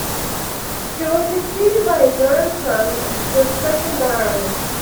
He was succeeded by his only son, the second Baron.